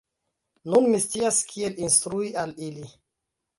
Nun mi scias kiel instrui al ili!